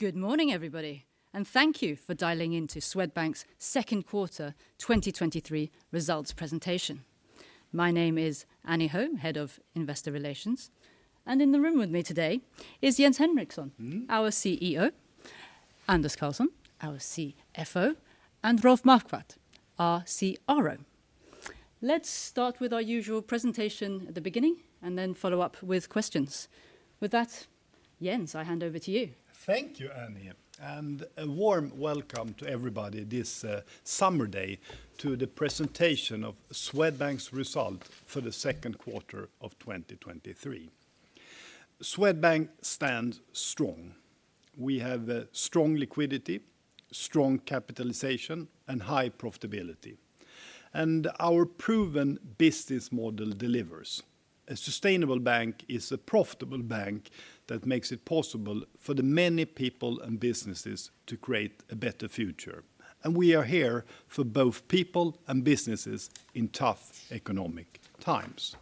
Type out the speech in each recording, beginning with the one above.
Good morning, everybody. Thank you for dialing in to Swedbank's second quarter 2023 results presentation. My name is Annie Ho, Head of Investor Relations, and in the room with me today is Jens Henriksson. our CEO, Anders Karlsson, our CFO, and Rolf Marquardt, our CRO. Let's start with our usual presentation at the beginning, and then follow-up with questions. With that, Jens, I hand over to you. Thank you, Annie, a warm welcome to everybody this summer day to the presentation of Swedbank's result for the second quarter of 2023. Swedbank stands strong. We have a strong liquidity, strong capitalization, and high profitability, and our proven business model delivers. A sustainable bank is a profitable bank that makes it possible for the many people and businesses to create a better future, and we are here for both people and businesses in tough economic times.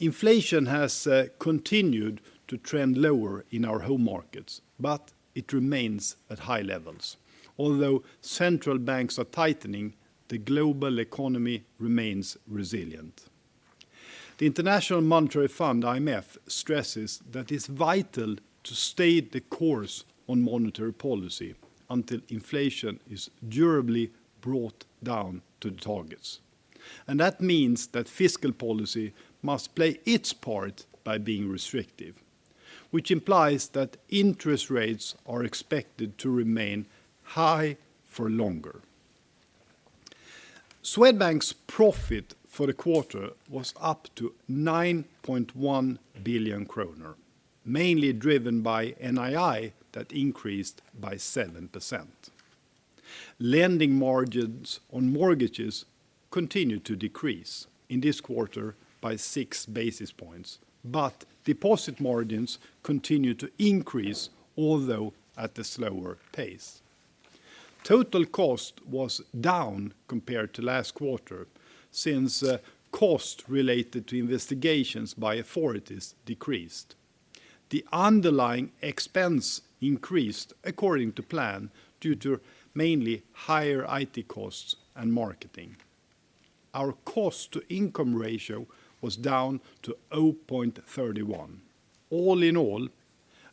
Inflation has continued to trend lower in our home markets, but it remains at high levels. Although central banks are tightening, the global economy remains resilient. The International Monetary Fund, IMF, stresses that it's vital to stay the course on monetary policy until inflation is durably brought down to the targets. That means that fiscal policy must play its part by being restrictive, which implies that interest rates are expected to remain high for longer. Swedbank's profit for the quarter was up to 9.1 billion kronor, mainly driven by NII that increased by 7%. Lending margins on mortgages continued to decrease, in this quarter by 6 basis points, but deposit margins continued to increase, although at a slower pace. Total cost was down compared to last quarter since costs related to investigations by authorities decreased. The underlying expense increased according to plan due to mainly higher IT costs and marketing. Our cost-to-income ratio was down to 0.31. All in all,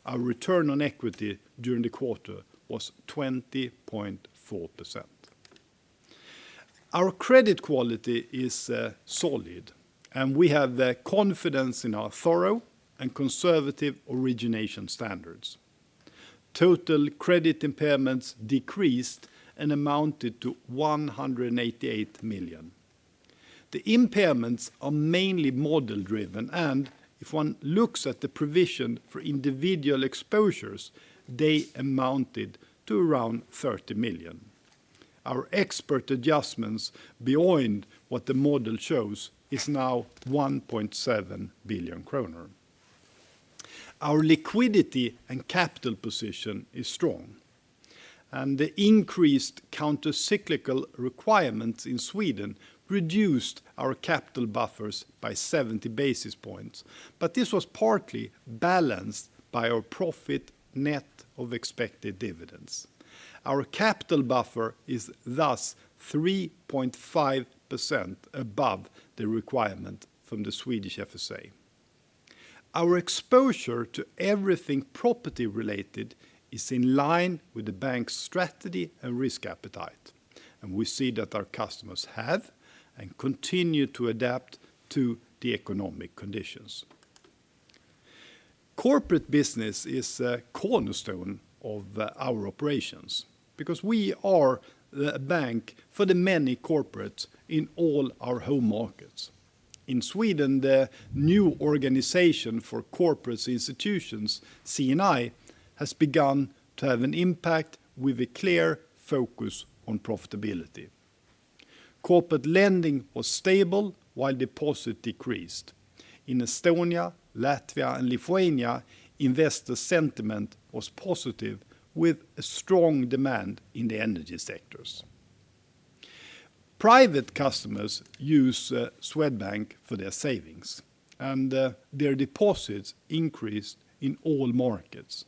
our return on equity during the quarter was 20.4%. Our credit quality is solid. We have the confidence in our thorough and conservative origination standards. Total credit impairments decreased and amounted to 188 million. The impairments are mainly model-driven. If one looks at the provision for individual exposures, they amounted to around 30 million. Our expert adjustments beyond what the model shows is now 1.7 billion kronor. Our liquidity and capital position is strong. The increased countercyclical requirements in Sweden reduced our capital buffers by 70 basis points. This was partly balanced by our profit net of expected dividends. Our capital buffer is thus 3.5% above the requirement from the Swedish FSA. Our exposure to everything property-related is in line with the bank's strategy and risk appetite. We see that our customers have and continue to adapt to the economic conditions. Corporate business is a cornerstone of our operations because we are the bank for the many corporates in all our home markets. In Sweden, the new organization for corporates institutions, C&I, has begun to have an impact with a clear focus on profitability. Corporate lending was stable, while deposit decreased. In Estonia, Latvia, and Lithuania, investor sentiment was positive, with a strong demand in the energy sectors. Private customers use Swedbank for their savings. Their deposits increased in all markets.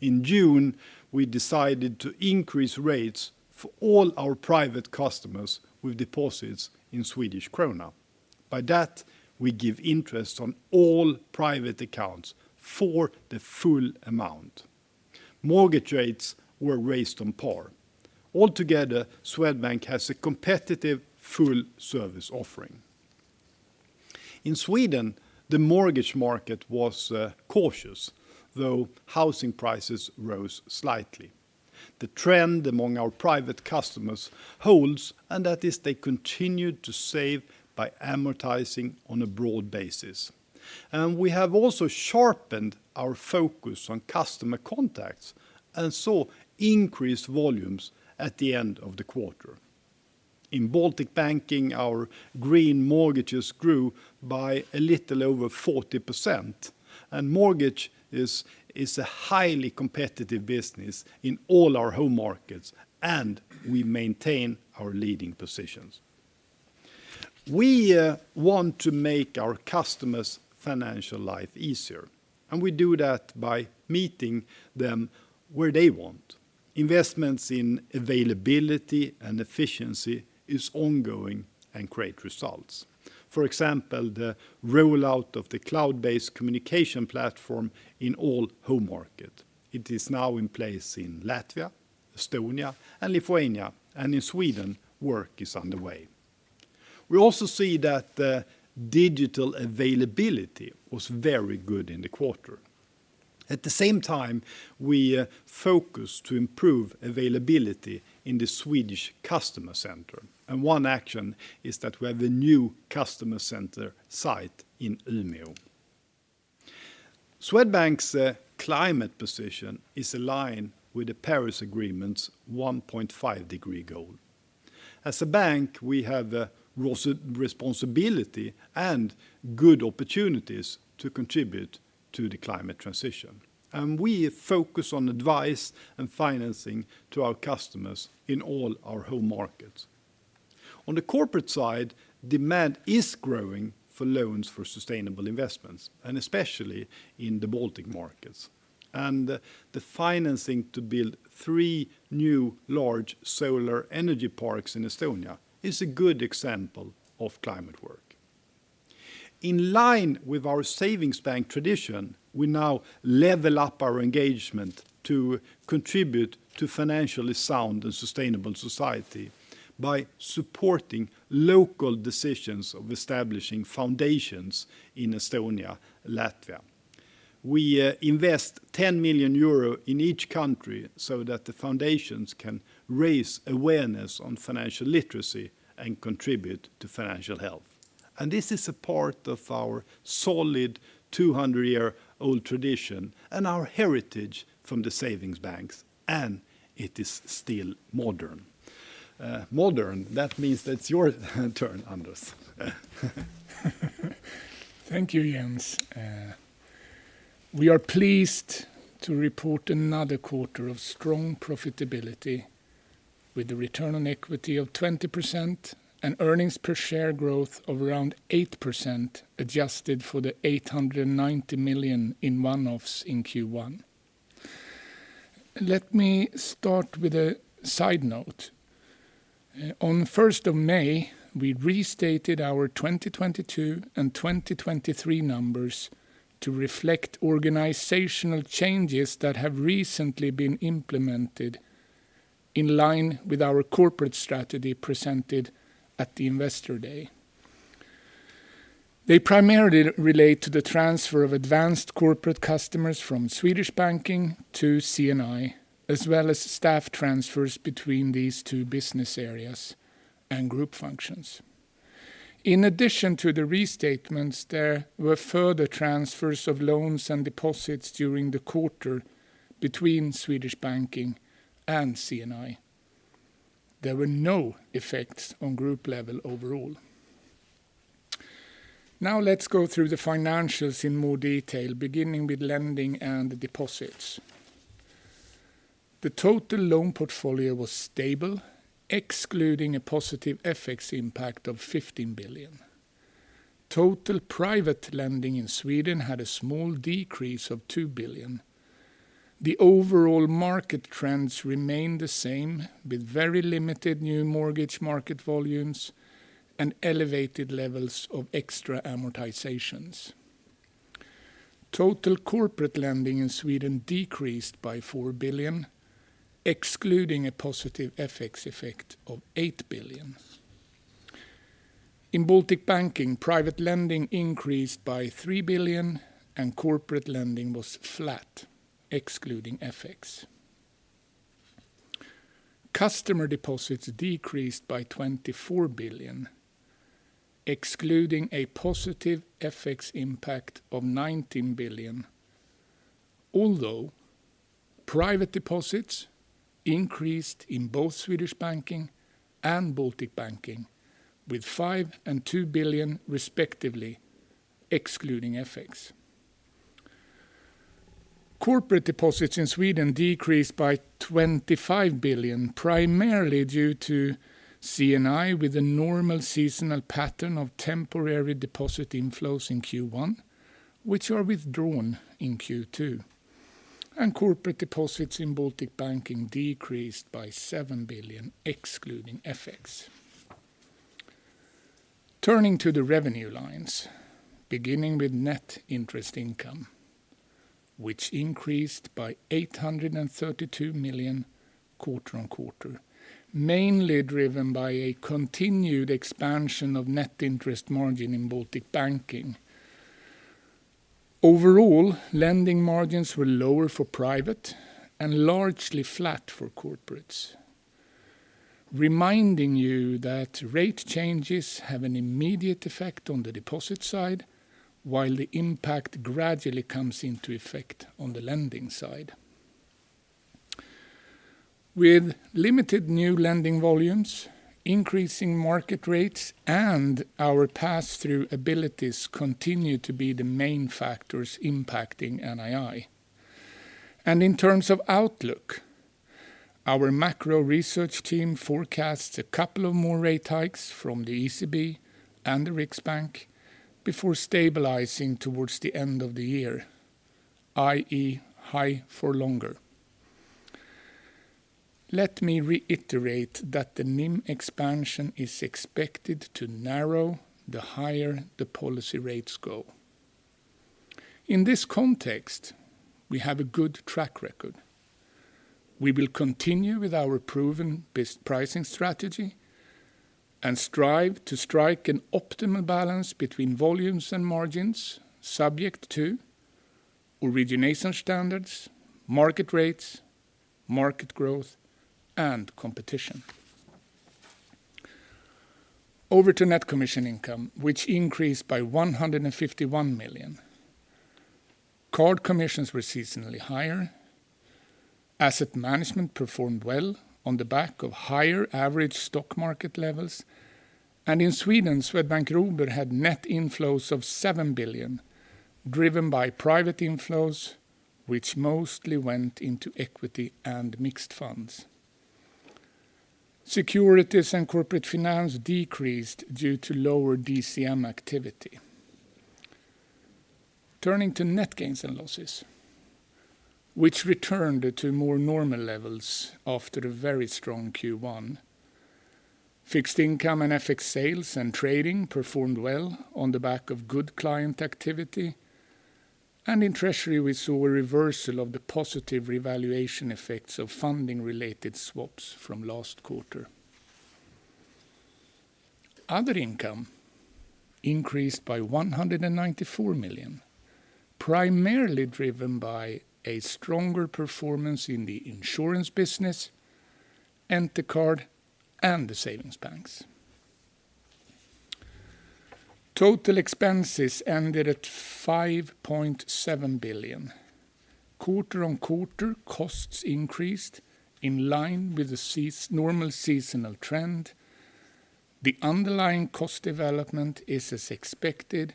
In June, we decided to increase rates for all our private customers with deposits in Swedish krona. By that, we give interest on all private accounts for the full amount. Mortgage rates were raised on par. Altogether, Swedbank has a competitive full-service offering. In Sweden, the mortgage market was cautious, though housing prices rose slightly. The trend among our private customers holds, and that is they continued to save by amortizing on a broad basis. We have also sharpened our focus on customer contacts and saw increased volumes at the end of the quarter. In Baltic banking, our green mortgages grew by a little over 40%, and mortgage is a highly competitive business in all our home markets, and we maintain our leading positions. We want to make our customers' financial life easier, and we do that by meeting them where they want. Investments in availability and efficiency is ongoing and great results. For example, the rollout of the cloud-based communication platform in all home market. It is now in place in Latvia, Estonia, and Lithuania, and in Sweden, work is underway. We also see that the digital availability was very good in the quarter. At the same time, we focus to improve availability in the Swedish customer center, and one action is that we have a new customer center site in Umeå. Swedbank's climate position is aligned with the Paris Agreement's 1.5 degree goal. As a bank, we have a responsibility and good opportunities to contribute to the climate transition, and we focus on advice and financing to our customers in all our home markets. On the corporate side, demand is growing for loans for sustainable investments, and especially in the Baltic markets. The financing to build three new large solar energy parks in Estonia is a good example of climate work. In line with our savings bank tradition, we now level up our engagement to contribute to financially sound and sustainable society by supporting local decisions of establishing foundations in Estonia, Latvia. We invest 10 million euro in each country so that the foundations can raise awareness on financial literacy and contribute to financial health. This is a part of our solid 200-year-old tradition and our heritage from the savings banks, and it is still modern. Modern, that means that it's your turn, Anders. Thank you, Jens. We are pleased to report another quarter of strong profitability with a return on equity of 20% and earnings per share growth of around 8%, adjusted for the 890 million in one-offs in Q1. Let me start with a side note. On first of May, we restated our 2022 and 2023 numbers to reflect organizational changes that have recently been implemented in line with our corporate strategy presented at the Investor Day. They primarily relate to the transfer of advanced corporate customers from Swedish Banking to C&I, as well as staff transfers between these two business areas and group functions. In addition to the restatements, there were further transfers of loans and deposits during the quarter between Swedish Banking and C&I. There were no effects on group level overall. Let's go through the financials in more detail, beginning with lending and deposits. The total loan portfolio was stable, excluding a positive FX impact of 15 billion. Total private lending in Sweden had a small decrease of 2 billion. The overall market trends remained the same, with very limited new mortgage market volumes and elevated levels of extra amortizations. Total corporate lending in Sweden decreased by 4 billion, excluding a positive FX effect of 8 billion. In Baltic banking, private lending increased by 3 billion, and corporate lending was flat, excluding FX. Customer deposits decreased by 24 billion, excluding a positive FX impact of 19 billion. Private deposits increased in both Swedish banking and Baltic banking, with 5 billion and 2 billion, respectively, excluding FX. Corporate deposits in Sweden decreased by 25 billion, primarily due to C&I, with a normal seasonal pattern of temporary deposit inflows in Q1, which are withdrawn in Q2. Corporate deposits in Baltic banking decreased by 7 billion, excluding FX. Turning to the revenue lines, beginning with net interest income, which increased by 832 million quarter-on-quarter, mainly driven by a continued expansion of net interest margin in Baltic banking. Overall, lending margins were lower for private and largely flat for corporates, reminding you that rate changes have an immediate effect on the deposit side, while the impact gradually comes into effect on the lending side. With limited new lending volumes, increasing market rates, and our pass-through abilities continue to be the main factors impacting NII. In terms of outlook. Our macro research team forecasts a couple of more rate hikes from the ECB and the Riksbank before stabilizing towards the end of the year, i.e., high for longer. Let me reiterate that the NIM expansion is expected to narrow the higher the policy rates go. In this context, we have a good track record. We will continue with our proven best pricing strategy and strive to strike an optimal balance between volumes and margins, subject to origination standards, market rates, market growth, and competition. Over to net commission income, which increased by 151 million. Card commissions were seasonally higher, asset management performed well on the back of higher average stock market levels, and in Sweden, Swedbank Robur had net inflows of 7 billion, driven by private inflows, which mostly went into equity and mixed funds. Securities and corporate finance decreased due to lower DCM activity. Turning to net gains and losses, which returned to more normal levels after a very strong Q1. Fixed income and FX sales and trading performed well on the back of good client activity, and in treasury, we saw a reversal of the positive revaluation effects of funding-related swaps from last quarter. Other income increased by 194 million, primarily driven by a stronger performance in the insurance business, and the card, and the savings banks. Total expenses ended at 5.7 billion. Quarter-on-quarter, costs increased in line with the normal seasonal trend. The underlying cost development is as expected,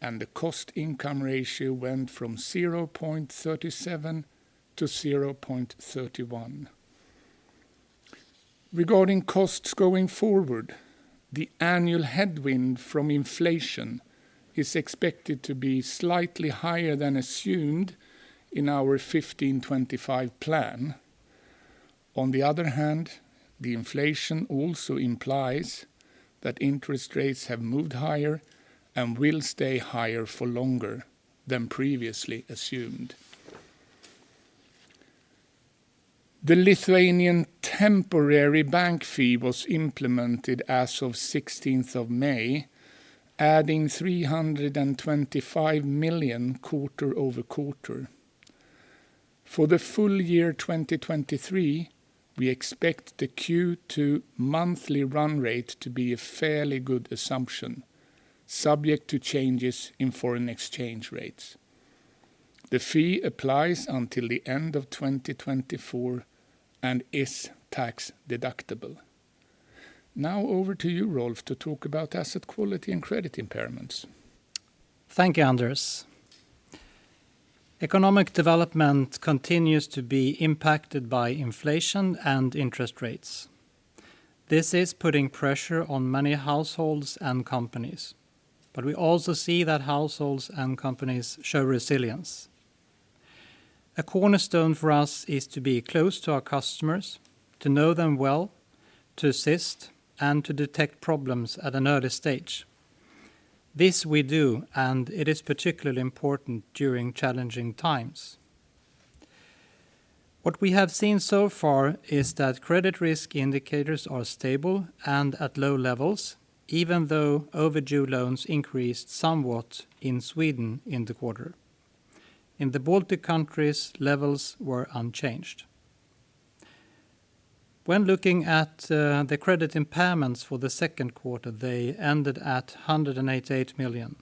and the cost-to-income ratio went from 0.37-0.31. Regarding costs going forward, the annual headwind from inflation is expected to be slightly higher than assumed in our 15/25 plan. The inflation also implies that interest rates have moved higher and will stay higher for longer than previously assumed. The Lithuanian temporary bank fee was implemented as of 16th of May, adding SEK 325 million quarter-over-quarter. For the full year 2023, we expect the Q2 monthly run rate to be a fairly good assumption, subject to changes in foreign exchange rates. The fee applies until the end of 2024 and is tax deductible. Over to you, Rolf, to talk about asset quality and credit impairments. Thank you, Anders. Economic development continues to be impacted by inflation and interest rates. This is putting pressure on many households and companies. We also see that households and companies show resilience. A cornerstone for us is to be close to our customers, to know them well, to assist, and to detect problems at an early stage. This we do. It is particularly important during challenging times. What we have seen so far is that credit risk indicators are stable and at low levels, even though overdue loans increased somewhat in Sweden in the quarter. In the Baltic countries, levels were unchanged. When looking at the credit impairments for the second quarter, they ended at 188 million.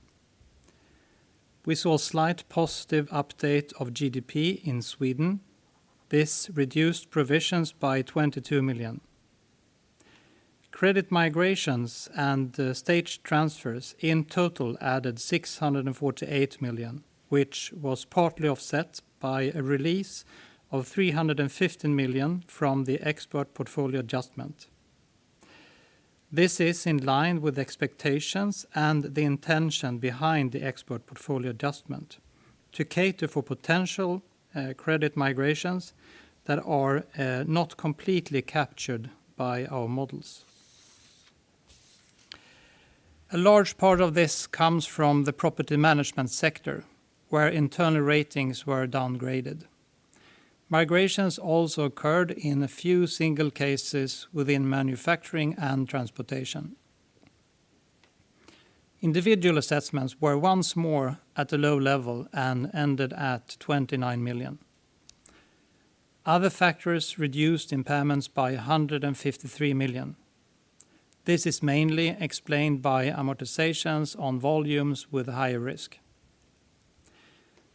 We saw a slight positive update of GDP in Sweden. This reduced provisions by 22 million. Credit migrations and stage transfers in total added 648 million, which was partly offset by a release of 315 million from the expert portfolio adjustment. This is in line with expectations and the intention behind the expert portfolio adjustment to cater for potential credit migrations that are not completely captured by our models. A large part of this comes from the property management sector, where internal ratings were downgraded. Migrations also occurred in a few single cases within manufacturing and transportation. Individual assessments were once more at a low level and ended at 29 million. Other factors reduced impairments by 153 million. This is mainly explained by amortizations on volumes with higher risk.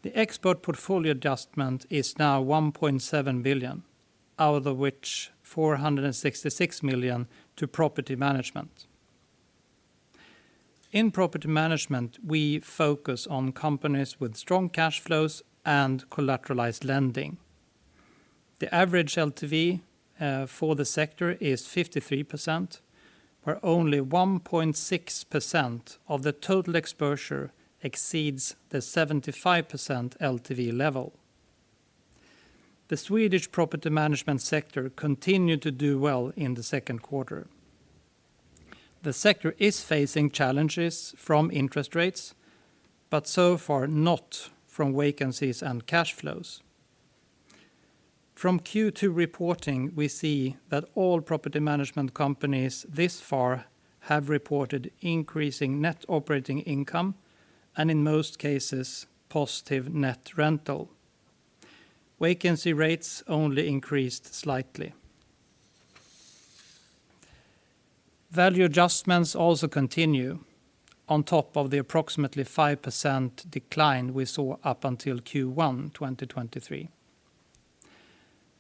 The expert portfolio adjustment is now 1.7 billion, out of which 466 million to property management. In property management, we focus on companies with strong cash flows and collateralized lending. The average LTV for the sector is 53%, where only 1.6% of the total exposure exceeds the 75% LTV level. The Swedish property management sector continued to do well in the second quarter. The sector is facing challenges from interest rates, but so far, not from vacancies and cash flows. From Q2 reporting, we see that all property management companies this far have reported increasing net operating income, and in most cases, positive net rental. Vacancy rates only increased slightly. Value adjustments also continue on top of the approximately 5% decline we saw up until Q1, 2023.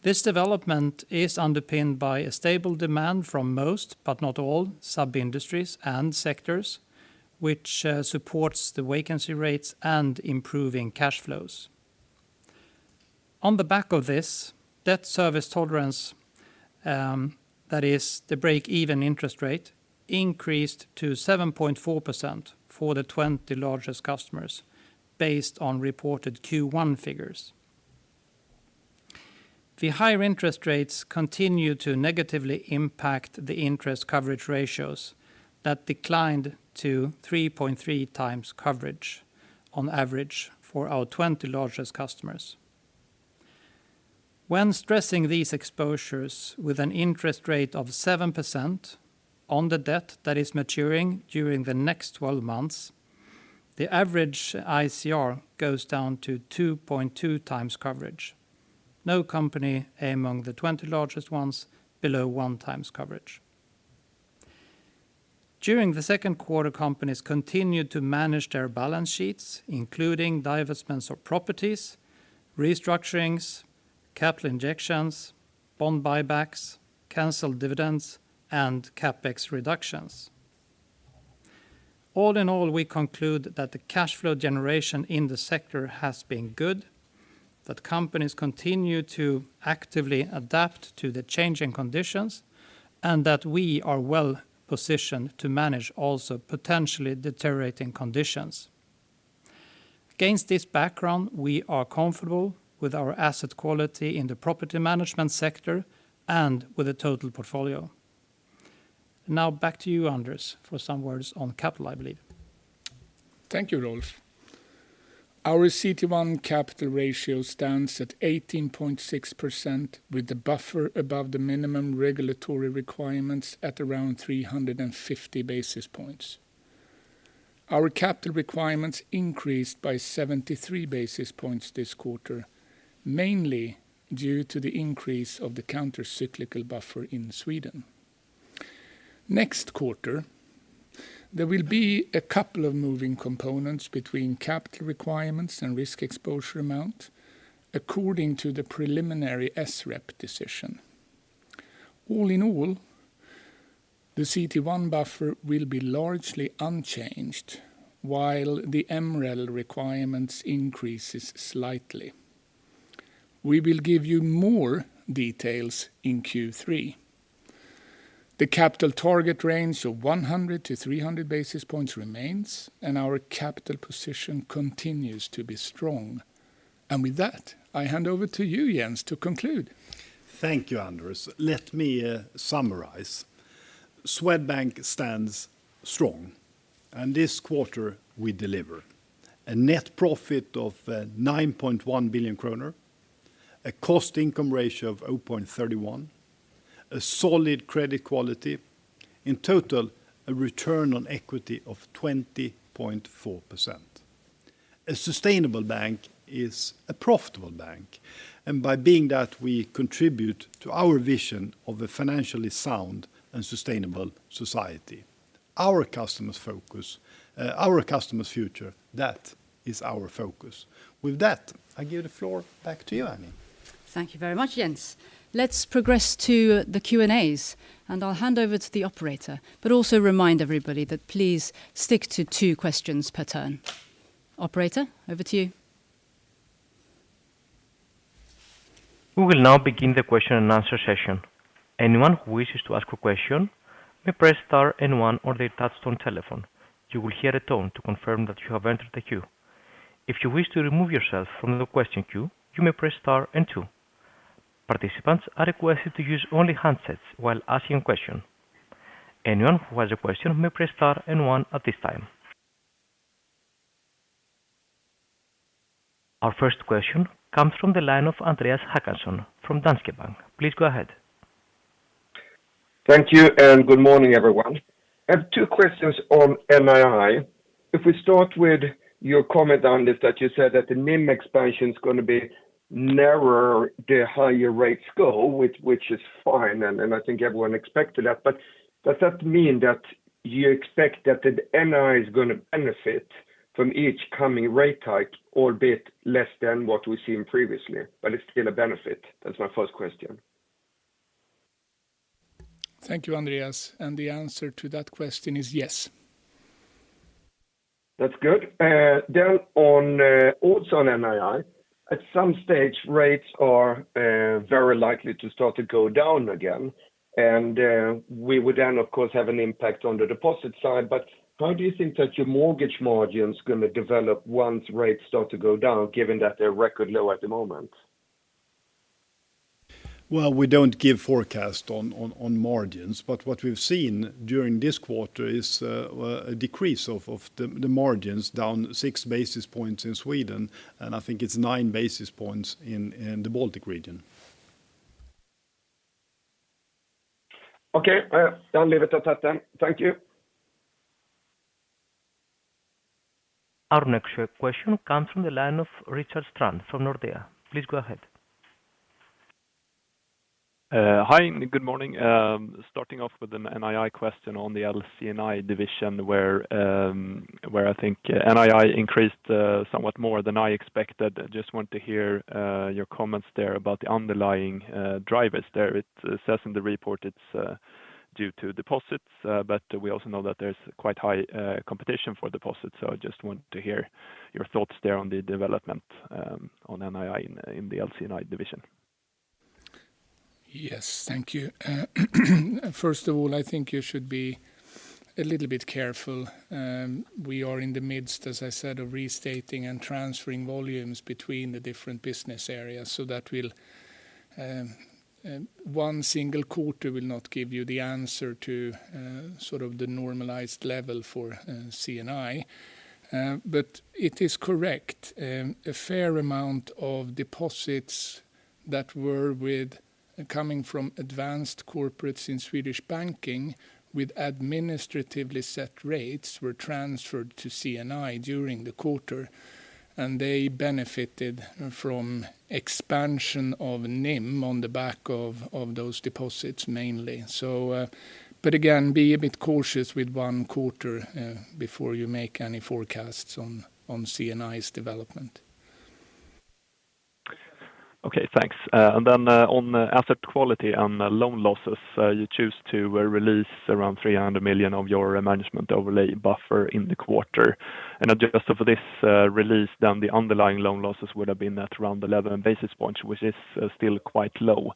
This development is underpinned by a stable demand from most, but not all, sub-industries and sectors, which supports the vacancy rates and improving cash flows. On the back of this, debt service tolerance, that is the break-even interest rate, increased to 7.4% for the 20 largest customers based on reported Q1 figures. The higher interest rates continue to negatively impact the interest coverage ratios that declined to 3.3x coverage on average for our 20 largest customers. When stressing these exposures with an interest rate of 7% on the debt that is maturing during the next 12 months, the average ICR goes down to 2.2x coverage. No company among the 20 largest ones below 1x coverage. During the second quarter, companies continued to manage their balance sheets, including divestments of properties, restructurings, capital injections, bond buybacks, canceled dividends, and CapEx reductions. All in all, we conclude that the cash flow generation in the sector has been good, that companies continue to actively adapt to the changing conditions, and that we are well-positioned to manage also potentially deteriorating conditions. Against this background, we are comfortable with our asset quality in the property management sector and with the total portfolio. Now, back to you, Anders, for some words on capital, I believe. Thank you, Rolf. Our CET1 capital ratio stands at 18.6%, with the buffer above the minimum regulatory requirements at around 350 basis points. Our capital requirements increased by 73 basis points this quarter, mainly due to the increase of the countercyclical buffer in Sweden. Next quarter, there will be a couple of moving components between capital requirements and risk exposure amount according to the preliminary SREP decision. All in all, the CET1 buffer will be largely unchanged, while the MREL requirements increases slightly. We will give you more details in Q3. The capital target range of 100-300 basis points remains, and our capital position continues to be strong. With that, I hand over to you, Jens, to conclude. Thank you, Anders. Let me summarize. Swedbank stands strong. This quarter we deliver a net profit of 9.1 billion kronor, a cost-to-income ratio of 0.31, a solid credit quality, in total, a return on equity of 20.4%. A sustainable bank is a profitable bank. By being that, we contribute to our vision of a financially sound and sustainable society. Our customer's future, that is our focus. With that, I give the floor back to you, Annie. Thank you very much, Jens. Let's progress to the Q&As, and I'll hand over to the operator, but also remind everybody that please stick to two questions per turn. Operator, over to you. We will now begin the question-and-answer session. Anyone who wishes to ask a question may press Star and one on their touch-tone telephone. You will hear a tone to confirm that you have entered the queue. If you wish to remove yourself from the question queue, you may press Star and two. Participants are requested to use only handsets while asking a question. Anyone who has a question may press Star and one at this time. Our first question comes from the line of Andreas Håkansson from Danske Bank. Please go ahead. Thank you. Good morning, everyone. I have two questions on NII. If we start with your comment, Anders, that you said that the NIM expansion is gonna be narrower the higher rates go, which is fine, and I think everyone expected that. Does that mean that you expect that the NII is gonna benefit from each coming rate hike, albeit less than what we've seen previously? It's still a benefit. That's my first question. Thank you, Andreas. The answer to that question is yes. That's good. On, also on NII, at some stage, rates are very likely to start to go down again, and we would then, of course, have an impact on the deposit side. How do you think that your mortgage margin is gonna develop once rates start to go down, given that they're record low at the moment? Well, we don't give forecast on margins, but what we've seen during this quarter is, well, a decrease of the margins down 6 basis points in Sweden, and I think it's 9 basis points in the Baltic region. I'll leave it at that then. Thank you. Our next question comes from the line of Rickard Strand from Nordea. Please go ahead. Hi, good morning. Starting off with an NII question on the LC&I division where I think NII increased somewhat more than I expected. I just want to hear your comments there about the underlying drivers there. It says in the report it's due to deposits, but we also know that there's quite high competition for deposits. I just want to hear your thoughts there on the development on NII in the LC&I division. Yes. Thank you. First of all, I think you should be a little bit careful. We are in the midst, as I said, of restating and transferring volumes between the different business areas. That will one single quarter will not give you the answer to sort of the normalized level for C&I. It is correct, a fair amount of deposits that were with coming from advanced corporates in Swedish banking with administratively set rates were transferred to C&I during the quarter, and they benefited from expansion of NIM on the back of those deposits mainly. Again, be a bit cautious with one quarter before you make any forecasts on C&I's development. Okay, thanks. On asset quality and loan losses, you choose to release around 300 million of your management overlay buffer in the quarter. Adjust of this release, the underlying loan losses would have been at around 11 basis points, which is still quite low.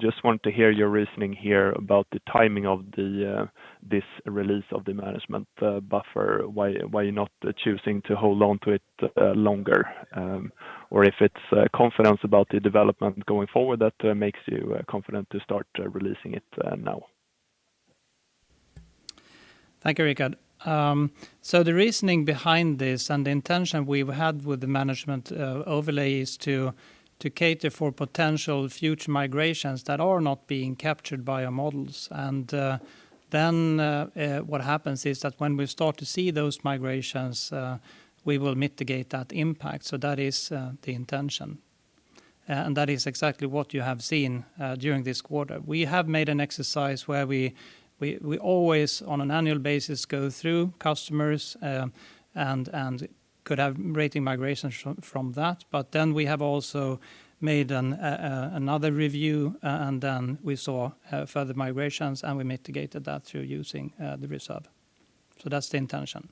Just want to hear your reasoning here about the timing of the this release of the management buffer. Why you're not choosing to hold on to it longer? Or if it's confidence about the development going forward that makes you confident to start releasing it now. Thank you, Rickard. The reasoning behind this and the intention we've had with the management overlay is to cater for potential future migrations that are not being captured by our models. What happens is that when we start to see those migrations, we will mitigate that impact. That is the intention. That is exactly what you have seen during this quarter. We have made an exercise where we always, on an annual basis, go through customers and could have rating migrations from that. We have also made another review and we saw further migrations, and we mitigated that through using the reserve. That's the intention.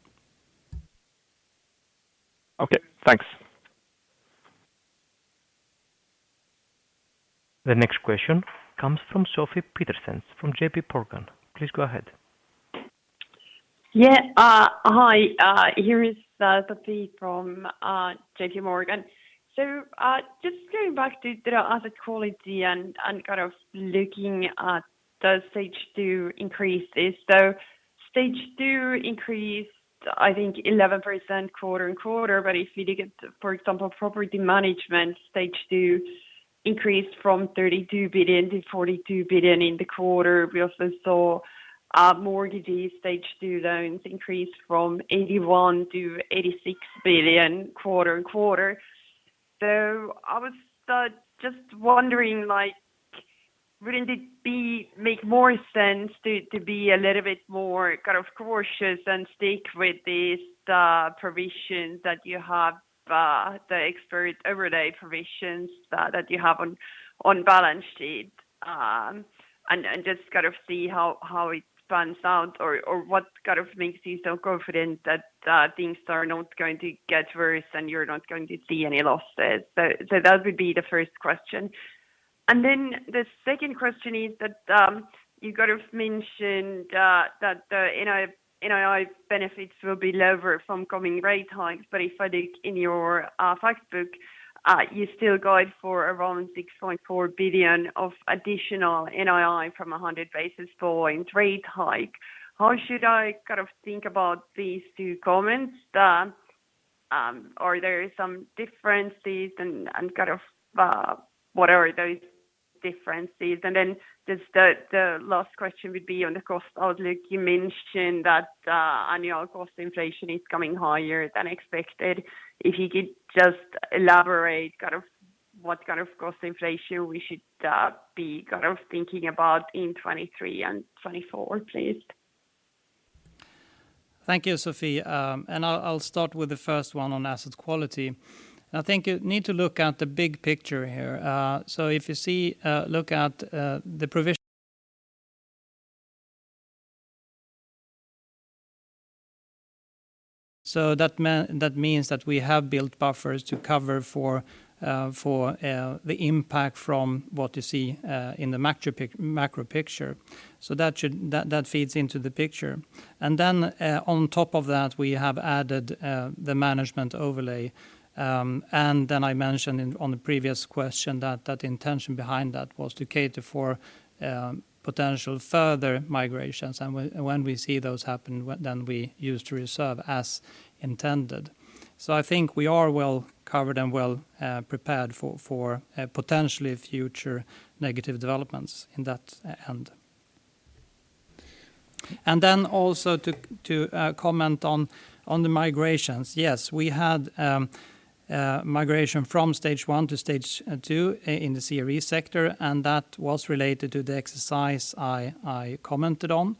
Okay, thanks. The next question comes from Sofie Peterzens from JPMorgan. Please go ahead. Yeah, hi. Here is Sofie from JPMorgan. Just going back to the asset quality and kind of looking at the Stage 2 increase this. Stage 2 increased, I think 11% quarter-on-quarter. If you look at, for example, property management, Stage 2 increased from 32 billion-42 billion in the quarter. We also saw mortgages Stage 2 loans increased from 81 billion-86 billion quarter-on-quarter. I was just wondering, like, wouldn't it make more sense to be a little bit more kind of cautious and stick with this provision that you have, the expert everyday provisions, that you have on balance sheet, and just kind of see how it pans out or what kind of makes you so confident that things are not going to get worse and you are not going to see any losses? That would be the first question. The second question is that you kind of mentioned that the NII benefits will be lower from coming rate hikes. If I look in your fact book, you still guide for around 6.4 billion of additional NII from 100 basis points in rate hike. How should I kind of think about these two comments, are there some differences and kind of, what are those differences? Then just the last question would be on the cost. You mentioned that annual cost inflation is coming higher than expected. If you could just elaborate kind of what kind of cost inflation we should be kind of thinking about in 2023 and 2024, please? Thank you, Sofie. I'll start with the first one on asset quality. I think you need to look at the big picture here. If you see, look at the provision. That means that we have built buffers to cover for the impact from what you see in the macro picture. That feeds into the picture. Then on top of that, we have added the management overlay. Then I mentioned in, on the previous question that intention behind that was to cater for potential further migrations. When we see those happen, then we use the reserve as intended. I think we are well covered and well prepared for potentially future negative developments in that end. Also to comment on the migrations. We had migration from Stage 1 to Stage 2 in the CRE sector, and that was related to the exercise I commented on.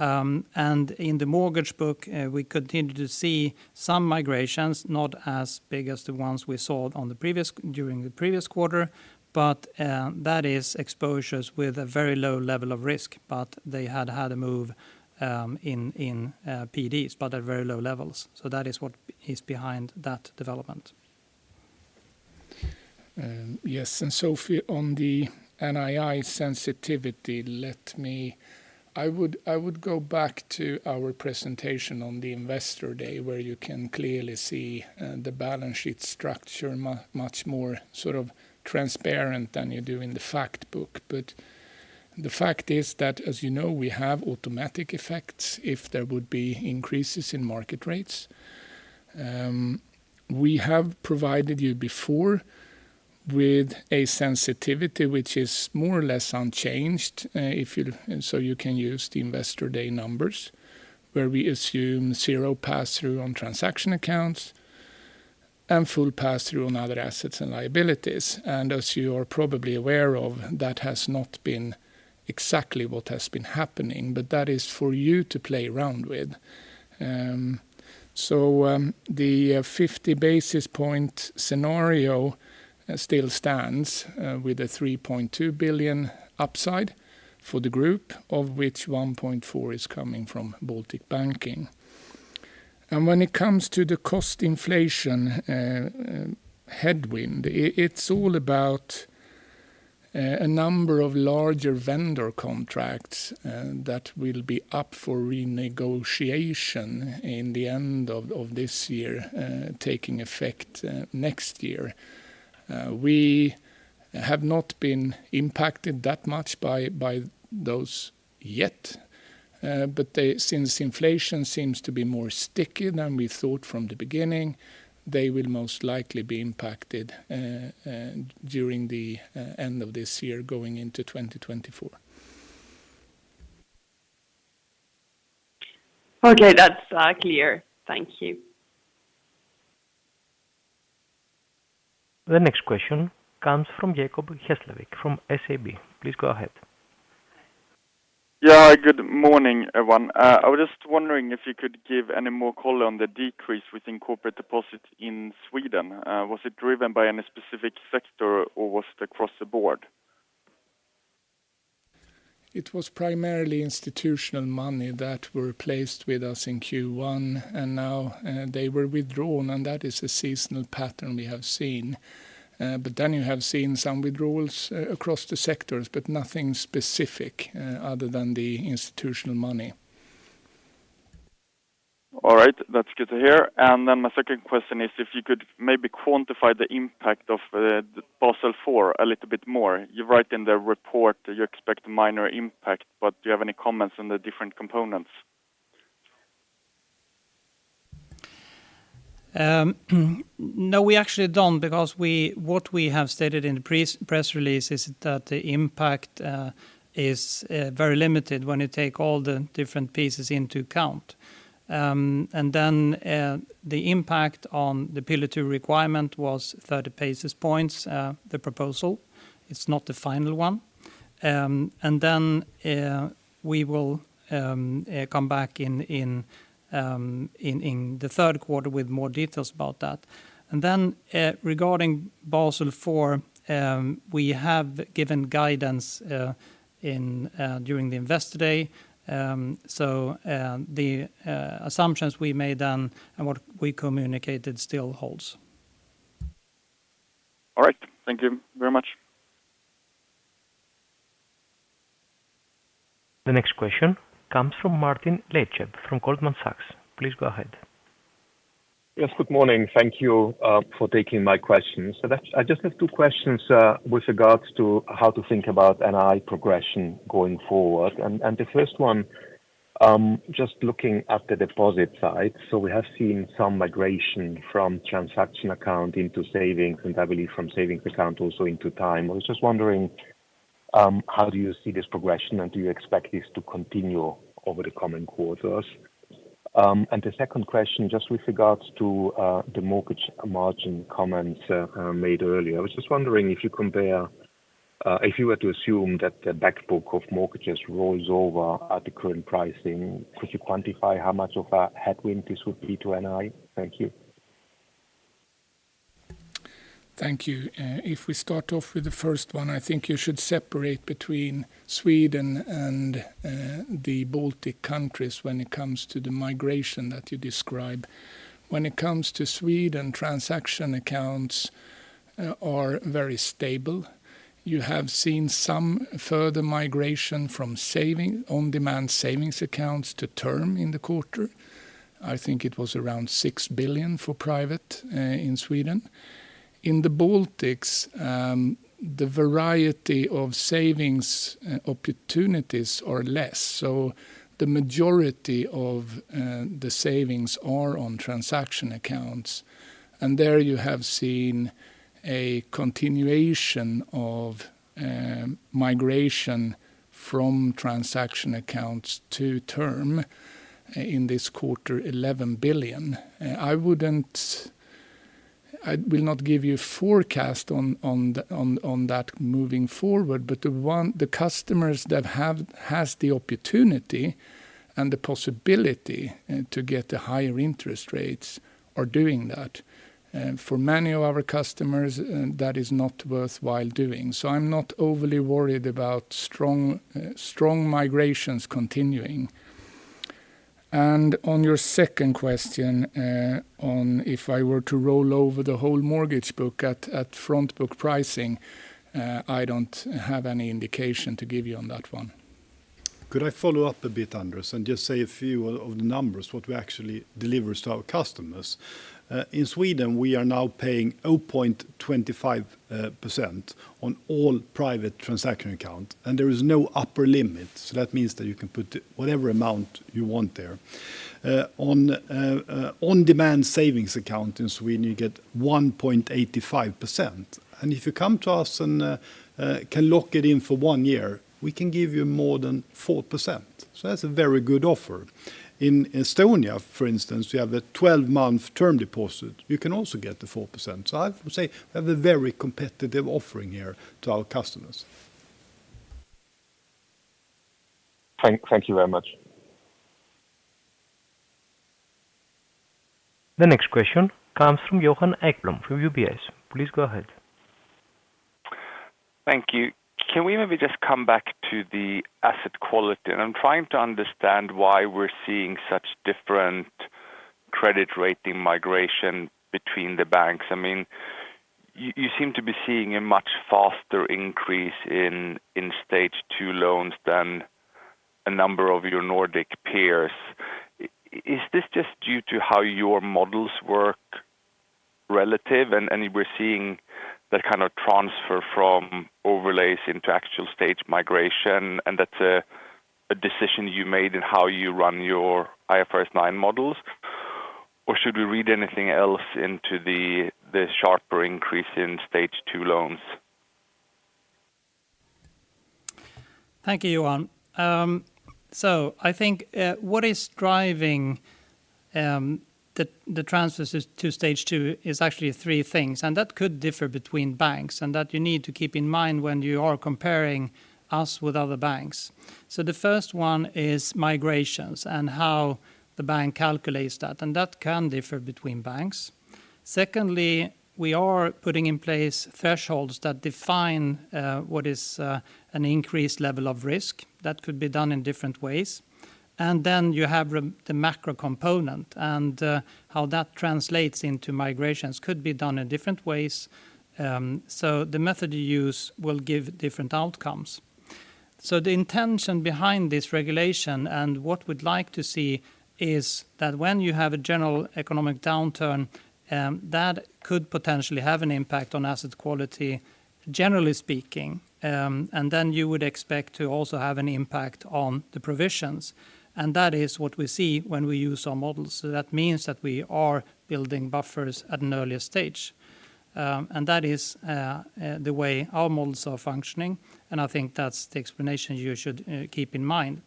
In the mortgage book, we continue to see some migrations, not as big as the ones we saw during the previous quarter, but that is exposures with a very low level of risk. They had had a move in PDs, but at very low levels. That is what is behind that development. Yes, Sofie, on the NII sensitivity, I would go back to our presentation on the Investor Day, where you can clearly see the balance sheet structure much more sort of transparent than you do in the fact book. The fact is that, as you know, we have automatic effects if there would be increases in market rates. We have provided you before with a sensitivity, which is more or less unchanged. So you can use the Investor Day numbers, where we assume zero pass-through on transaction accounts and full pass-through on other assets and liabilities. As you are probably aware of, that has not been exactly what has been happening, but that is for you to play around with. The 50 basis point scenario still stands with a 3.2 billion upside for the group, of which 1.4 billion is coming from Baltic Banking. When it comes to the cost inflation headwind, it's all about a number of larger vendor contracts that will be up for renegotiation in the end of this year, taking effect next year. We have not been impacted that much by those yet, since inflation seems to be more sticky than we thought from the beginning, they will most likely be impacted during the end of this year, going into 2024. Okay, that's clear. Thank you. The next question comes from Jacob Hesslevik, from SEB. Please go ahead. Good morning, everyone. I was just wondering if you could give any more color on the decrease within corporate deposits in Sweden. Was it driven by any specific sector or was it across the board? It was primarily institutional money that were placed with us in Q1. Now, they were withdrawn. That is a seasonal pattern we have seen. You have seen some withdrawals across the sectors, but nothing specific, other than the institutional money. All right. That's good to hear. My second question is if you could maybe quantify the impact of the Basel IV a little bit more? You write in the report that you expect a minor impact, do you have any comments on the different components? No, we actually don't, because what we have stated in the press release is that the impact is very limited when you take all the different pieces into account. The impact on the Pillar 2 requirement was 30 basis points, the proposal. It's not the final one. We will come back in the third quarter with more details about that. Regarding Basel IV, we have given guidance during the Investor Day. The assumptions we made then and what we communicated still holds. All right. Thank you very much. The next question comes from Martin Leitgeb from Goldman Sachs. Please go ahead. Yes, good morning. Thank you for taking my question. I just have two questions with regards to how to think about NII progression going forward. The first one, just looking at the deposit side, so we have seen some migration from transaction account into savings, and I believe from savings account also into time. I was just wondering, how do you see this progression, and do you expect this to continue over the coming quarters? The second question, just with regards to the mortgage margin comment made earlier. I was just wondering, if you were to assume that the back book of mortgages rolls over at the current pricing, could you quantify how much of a headwind this would be to NII? Thank you. Thank you. If we start off with the first one, I think you should separate between Sweden and the Baltic countries when it comes to the migration that you describe. When it comes to Sweden, transaction accounts are very stable. You have seen some further migration from on-demand savings accounts to term in the quarter. I think it was around 6 billion for private in Sweden. In the Baltics, the variety of savings opportunities are less, so the majority of the savings are on transaction accounts. There you have seen a continuation of migration from transaction accounts to term in this quarter, 11 billion. I will not give you a forecast on that moving forward, but the customers that has the opportunity and the possibility to get the higher interest rates are doing that. For many of our customers, that is not worthwhile doing. I'm not overly worried about strong migrations continuing. On your second question, on if I were to roll over the whole mortgage book at front book pricing, I don't have any indication to give you on that one. Could I follow-up a bit, Anders, and just say a few of the numbers, what we actually delivers to our customers? In Sweden, we are now paying 0.25% on all private transaction account, and there is no upper limit, so that means that you can put whatever amount you want there. On on-demand savings account in Sweden, you get 1.85%, and if you come to us and can lock it in for one year, we can give you more than 4%, so that's a very good offer. In Estonia, for instance, we have a 12-month term deposit. You can also get the 4%. I would say we have a very competitive offering here to our customers. Thank you very much. The next question comes from Johan Ekblom, from UBS. Please go ahead. Thank you. Can we maybe just come back to the asset quality? I'm trying to understand why we're seeing such different credit rating migration between the banks. I mean, you seem to be seeing a much faster increase in Stage 2 loans than a number of your Nordic peers. Is this just due to how your models work relative? We're seeing that kind of transfer from overlays into actual stage migration, and that's a decision you made in how you run your IFRS 9 models, or should we read anything else into the sharper increase in Stage 2 loans? Thank you, Johan. I think what is driving the transfers to Stage 2 is actually three things, and that could differ between banks, and that you need to keep in mind when you are comparing us with other banks. Secondly, we are putting in place thresholds that define what is an increased level of risk. That could be done in different ways. Then you have the macro component, and how that translates into migrations could be done in different ways. The method you use will give different outcomes. The intention behind this regulation, and what we'd like to see is that when you have a general economic downturn, that could potentially have an impact on asset quality, generally speaking, and then you would expect to also have an impact on the provisions. And that is what we see when we use our models. That means that we are building buffers at an earlier stage. And that is the way our models are functioning, and I think that's the explanation you should keep in mind.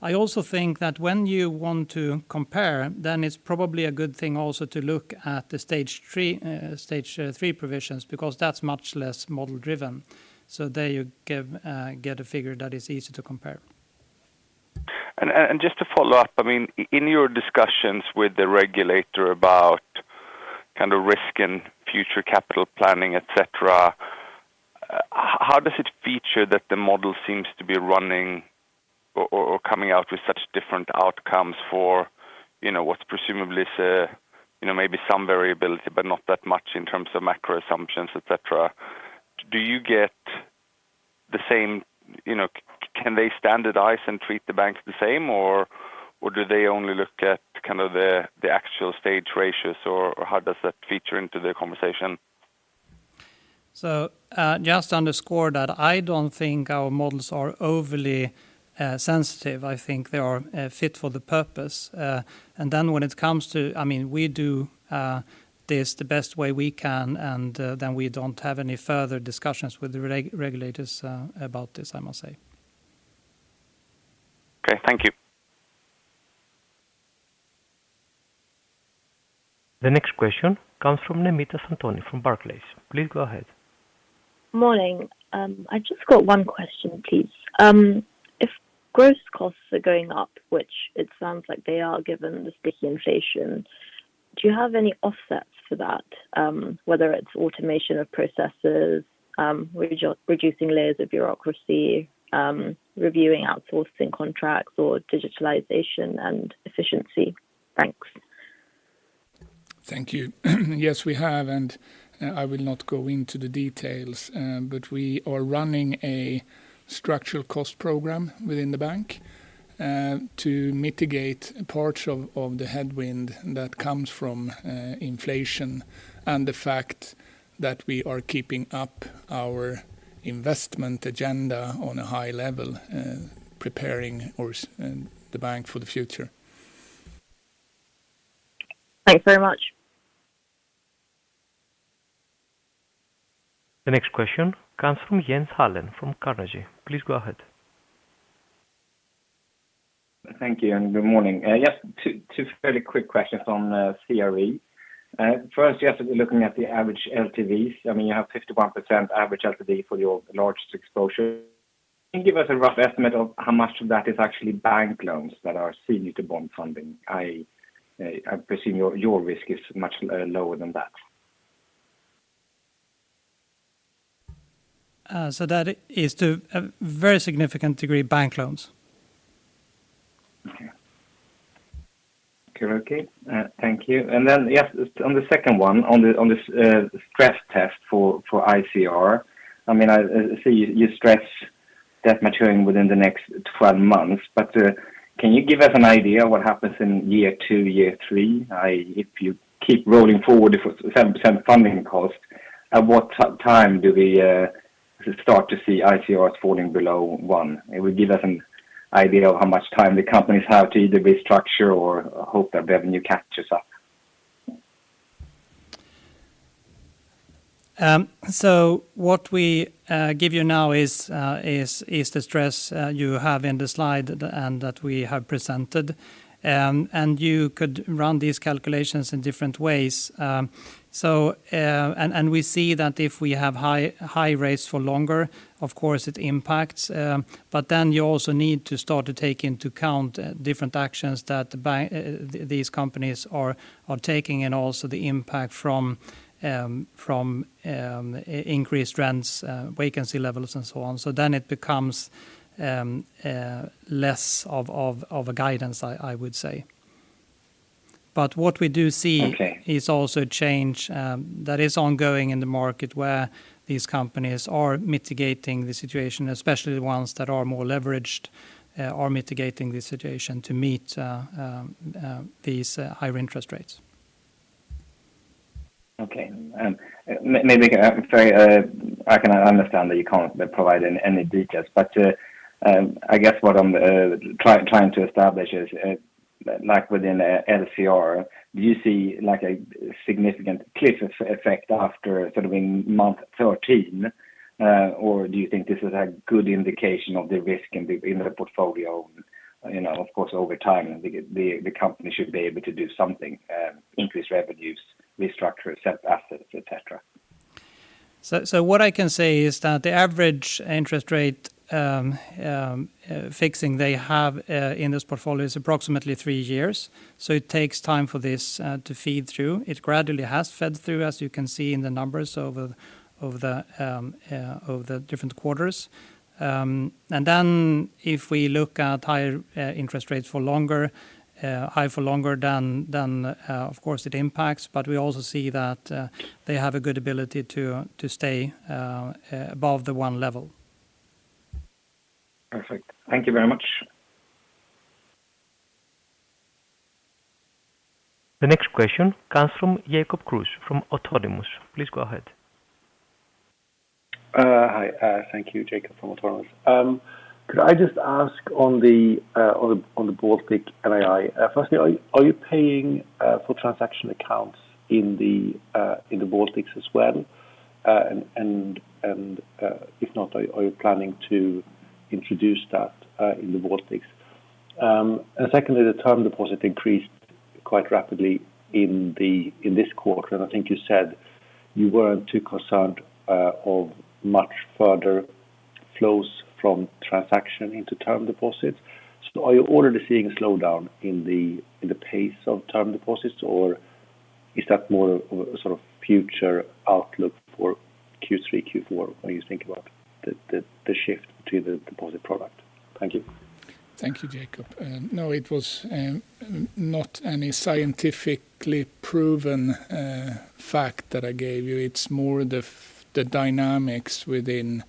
I also think that when you want to compare, then it's probably a good thing also to look at the Stage 3 provisions, because that's much less model driven. There you get a figure that is easy to compare. Just to follow-up, I mean, in your discussions with the regulator about kind of risk and future capital planning, et cetera, how does it feature that the model seems to be running or coming out with such different outcomes for, you know, what's presumably is a, you know, maybe some variability but not that much in terms of macro assumptions, et cetera? Do you get the same? You know, can they standardize and treat the banks the same, or do they only look at kind of the actual stage ratios, or how does that feature into the conversation? Just to underscore that I don't think our models are overly sensitive. I think they are fit for the purpose. When it comes to, I mean, we do this the best way we can, and then we don't have any further discussions with the regulators about this, I must say. Okay. Thank you. The next question comes from Namita Samtani from Barclays. Please go ahead. Morning. I've just got one question, please. If gross costs are going up, which it sounds like they are, given the sticky inflation, do you have any offsets for that? Whether it's automation of processes, reducing layers of bureaucracy, reviewing outsourcing contracts, or digitalization and efficiency? Thanks. Thank you. Yes, we have. I will not go into the details, but we are running a structural cost program within the bank, to mitigate parts of the headwind that comes from inflation and the fact that we are keeping up our investment agenda on a high level, preparing the bank for the future. Thanks very much. The next question comes from Jens Hallén from Carnegie. Please go ahead. Thank you. Good morning. Just two fairly quick questions on CRE. First, you have to be looking at the average LTVs. I mean, you have 51% average LTV for your largest exposure. Can you give us a rough estimate of how much of that is actually bank loans that are senior to bond funding? I presume your risk is much lower than that. That is to a very significant degree, bank loans. Okay. Thank you. Yes, on the second one, on the stress test for ICR. I mean, I see you stress debt maturing within the next 12 months, but can you give us an idea what happens in year two, year three? If you keep rolling forward the for 7% funding cost, at what time do we start to see ICRs falling below one? It would give us an idea of how much time the companies have to either restructure or hope their revenue catches up. What we give you now is the stress you have in the slide and that we have presented. You could run these calculations in different ways. We see that if we have high rates for longer, of course, it impacts, but then you also need to start to take into account different actions that by these companies are taking, and also the impact from increased rents, vacancy levels, and so on. It becomes less of a guidance, I would say. What we do see is also a change that is ongoing in the market, where these companies are mitigating the situation, especially the ones that are more leveraged, are mitigating the situation to meet these higher interest rates. Maybe, sorry, I cannot understand that you can't provide any details, but I guess what I'm trying to establish is like within LCR, do you see, like, a significant cliff effect after sort of in month 13? Do you think this is a good indication of the risk in the portfolio? You know, of course, over time, the company should be able to do something, increase revenues, restructure, sell assets, et cetera. What I can say is that the average interest rate fixing they have in this portfolio is approximately three years. It takes time for this to feed through. It gradually has fed through, as you can see in the numbers over the different quarters. If we look at higher interest rates for longer, high for longer, then, of course, it impacts. We also see that they have a good ability to stay above the one level. Perfect. Thank you very much. The next question comes from Jacob Kruse, from Autonomous. Please go ahead. Hi, thank you. Jacob from Autonomous. Could I just ask on the Baltic NII, firstly, are you paying for transaction accounts in the Baltics as well? If not, are you planning to introduce that in the Baltics? Secondly, the term deposit increased quite rapidly in this quarter, and I think you said you weren't too concerned of much further flows from transaction into term deposits. Are you already seeing a slowdown in the pace of term deposits, or is that more of a sort of future outlook for Q3, Q4, when you think about the shift to the deposit product? Thank you. Thank you, Jacob. It was not any scientifically proven fact that I gave you. It's more the dynamics within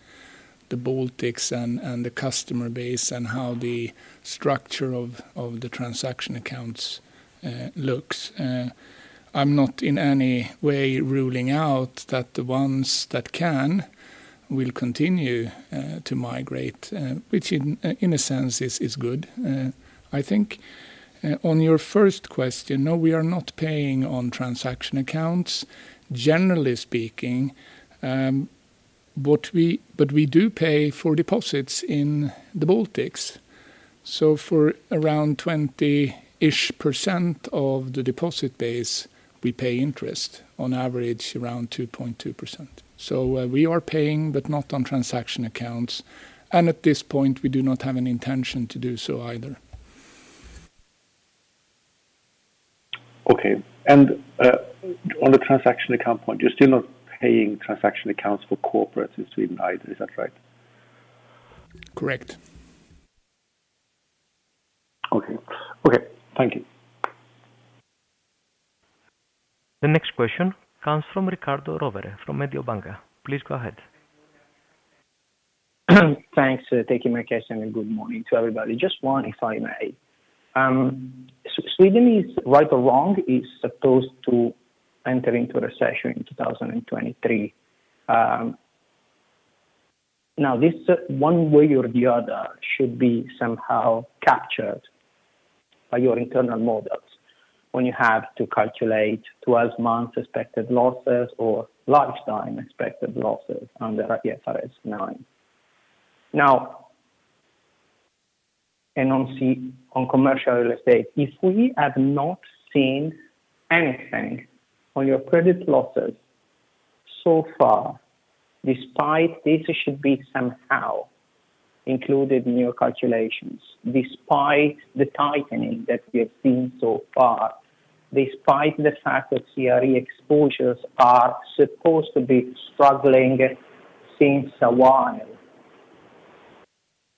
the Baltics and the customer base, and how the structure of the transaction accounts looks. I'm not in any way ruling out that the ones that can, will continue to migrate, which in a sense is good. I think on your first question, we are not paying on transaction accounts. Generally speaking, we do pay for deposits in the Baltics. For around 20-ish percent of the deposit base, we pay interest on average, around 2.2%. We are paying, but not on transaction accounts, at this point, we do not have an intention to do so either. Okay. On the transaction account point, you're still not paying transaction accounts for corporates in Sweden either, is that right? Correct. Okay. Okay, thank you. The next question comes from Riccardo Rovere, from Mediobanca. Please go ahead. Thanks for taking my question. Good morning to everybody. Just one, if I may. Sweden is right or wrong, is supposed to enter into recession in 2023. This, one way or the other, should be somehow captured by your internal models when you have to calculate 12 months expected losses or lifetime expected losses under IFRS 9. On commercial real estate, if we have not seen anything on your credit losses so far, despite this should be somehow included in your calculations, despite the tightening that we have seen so far, despite the fact that CRE exposures are supposed to be struggling since a while.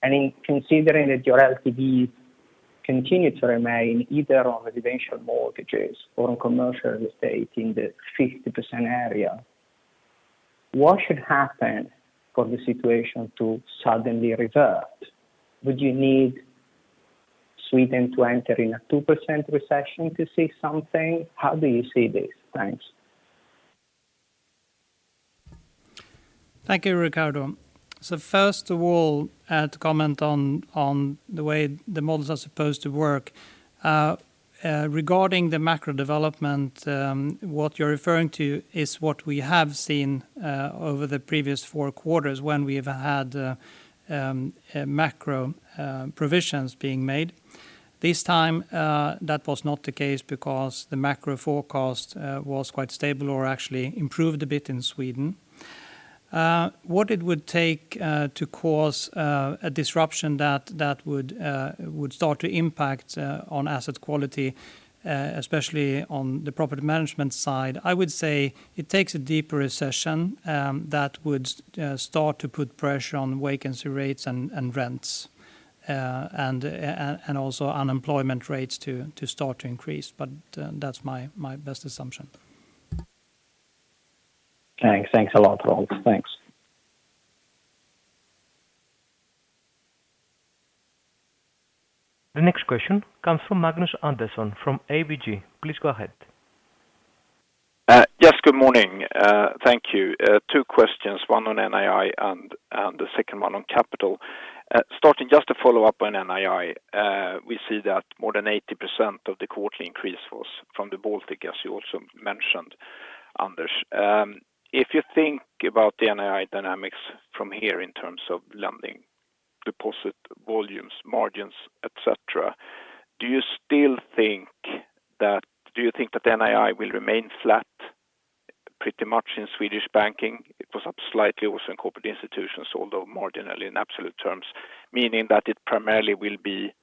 In considering that your LTV continue to remain either on residential mortgages or on commercial estate in the 50% area, what should happen for the situation to suddenly reverse? Would you need Sweden to enter in a 2% recession to see something? How do you see this? Thanks. Thank you, Riccardo. First of all, to comment on the way the models are supposed to work. Regarding the macro development, what you're referring to is what we have seen over the previous four quarters when we've had macro provisions being made. This time, that was not the case because the macro forecast was quite stable or actually improved a bit in Sweden. What it would take to cause a disruption that would start to impact on asset quality, especially on the property management side, I would say it takes a deeper recession that would start to put pressure on vacancy rates and rents and also unemployment rates to start to increase, but that's my best assumption. Thanks. Thanks a lot, Rolf. Thanks. The next question comes from Magnus Andersson, from ABG. Please go ahead. Yes, good morning. Thank you. Two questions, one on NII and the second one on capital. Starting just to follow up on NII, we see that more than 80% of the quarterly increase was from the Baltic, as you also mentioned, Anders. If you think about the NII dynamics from here in terms of lending, deposit, volumes, margins, et cetera, do you think that NII will remain flat pretty much in Swedish banking? It was up slightly also in corporate institutions, although marginally in absolute terms, meaning that it primarily will be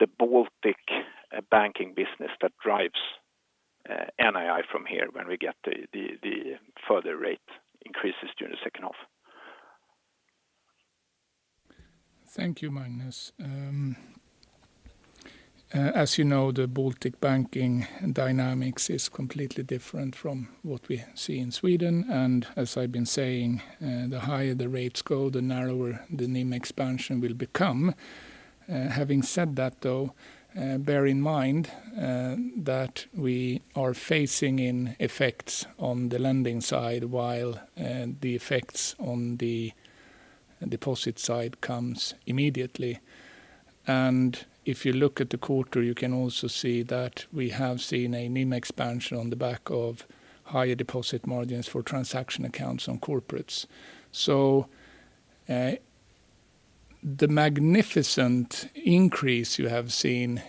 the Baltic banking business that drives NII from here when we get the further rate increases during the second half. Thank you, Magnus. As you know, the Baltic banking dynamics is completely different from what we see in Sweden, as I've been saying, the higher the rates go, the narrower the NIM expansion will become. Having said that, though, bear in mind that we are facing in effects on the lending side, while the effects on the deposit side comes immediately. If you look at the quarter, you can also see that we have seen a NIM expansion on the back of higher deposit margins for transaction accounts on corporates. The magnificent increase you have seen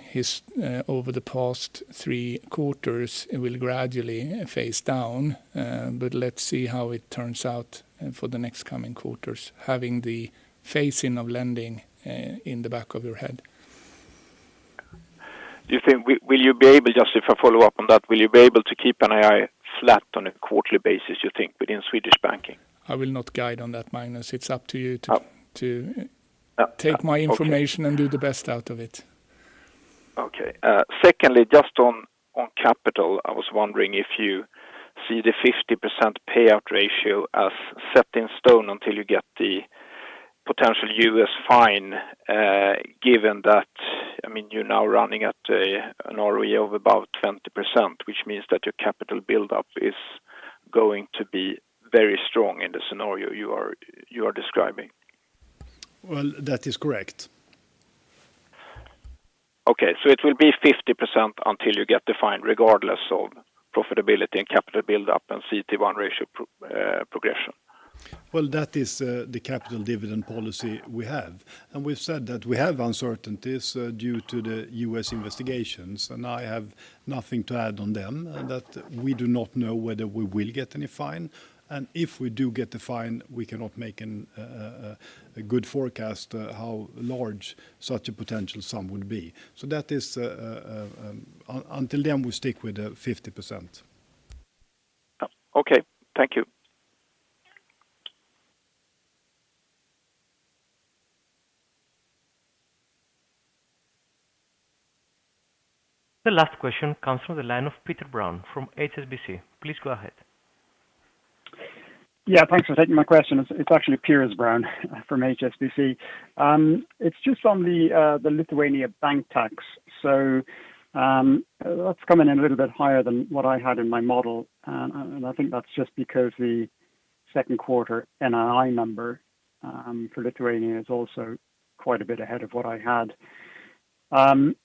over the past three quarters will gradually phase down, let's see how it turns out for the next coming quarters, having the phasing of lending in the back of your head. Just if I follow-up on that, will you be able to keep NII flat on a quarterly basis, you think, within Swedish banking? I will not guide on that, Magnus. It's up to you. to take my information. and do the best out of it. Secondly, just on capital, I was wondering if you see the 50% payout ratio as set in stone until you get the potential U.S. fine, given that, I mean, you're now running at an ROE of about 20%, which means that your capital buildup is going to be very strong in the scenario you are describing. Well, that is correct. Okay, it will be 50% until you get the fine, regardless of profitability and capital build-up and CET1 ratio pro progression? Well, that is the capital dividend policy we have. We've said that we have uncertainties due to the U.S. investigations, and I have nothing to add on them, that we do not know whether we will get any fine. If we do get the fine, we cannot make a good forecast how large such a potential sum would be. That is until then, we stick with the 50%. Oh, okay. Thank you. The last question comes from the line of Piers Brown from HSBC. Please go ahead. Yeah, thanks for taking my question. It's actually Piers Brown from HSBC. It's just on the Lithuania bank tax. That's coming in a little bit higher than what I had in my model, and I think that's just because the second quarter NII number for Lithuania is also quite a bit ahead of what I had. I'm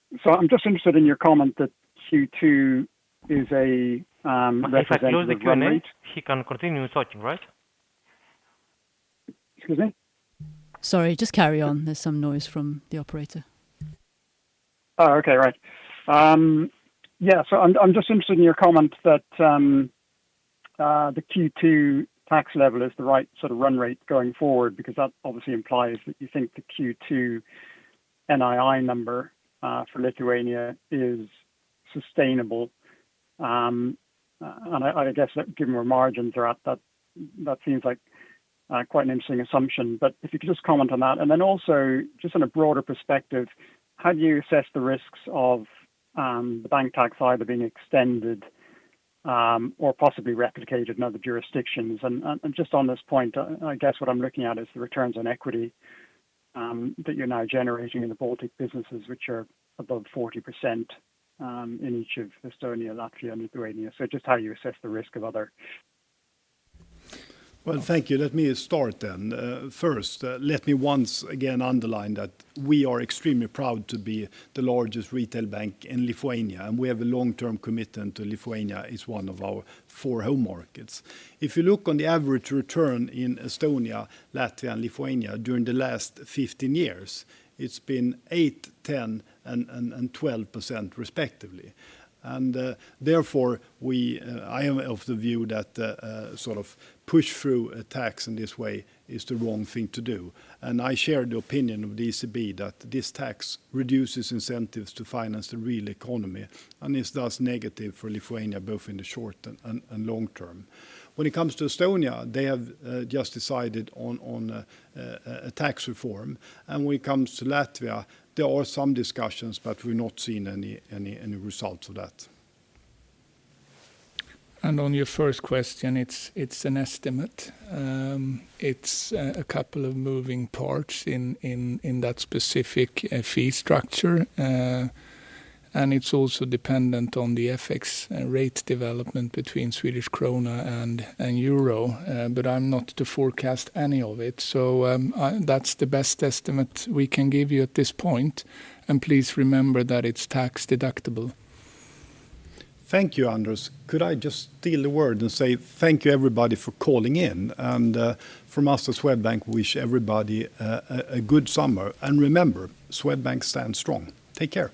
just interested in your comment that Q2 is a representative run rate. If I close the phone, he can continue talking, right? Excuse me? Sorry, just carry on. There's some noise from the operator. Okay. Right. I'm just interested in your comment that the Q2 tax level is the right sort of run rate going forward, because that obviously implies that you think the Q2 NII number for Lithuania is sustainable. I guess that given your margins are at that seems like quite an interesting assumption. If you could just comment on that, and then also, just on a broader perspective, how do you assess the risks of the bank tax either being extended or possibly replicated in other jurisdictions? Just on this point, I guess what I'm looking at is the returns on equity that you're now generating in the Baltic businesses, which are above 40% in each of Estonia, Latvia, and Lithuania. Just how you assess the risk of other? Well, thank you. Let me start then. First, let me once again underline that we are extremely proud to be the largest retail bank in Lithuania, and we have a long-term commitment to Lithuania as one of our four home markets. If you look on the average return in Estonia, Latvia, and Lithuania during the last 15 years, it's been 8, 10, and 12%, respectively. Therefore, I am of the view that sort of push through a tax in this way is the wrong thing to do. I share the opinion of the ECB that this tax reduces incentives to finance the real economy, and is thus negative for Lithuania, both in the short and long-term. When it comes to Estonia, they have just decided on a tax reform, and when it comes to Latvia, there are some discussions, but we've not seen any results of that. On your first question, it's an estimate. It's a couple of moving parts in that specific fee structure. It's also dependent on the FX rate development between Swedish krona and euro, but I'm not to forecast any of it. That's the best estimate we can give you at this point. Please remember that it's tax deductible. Thank you, Anders. Could I just steal a word and say thank you, everybody, for calling in? From us at Swedbank, wish everybody a good summer. Remember, Swedbank stands strong. Take care.